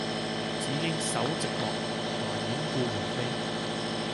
只應守寂寞，還掩故園扉。